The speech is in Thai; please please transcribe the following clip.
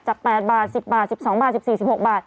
๘บาท๑๐บาท๑๒บาท๑๔๑๖บาท